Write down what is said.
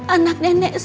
anak nenek sibuk sekali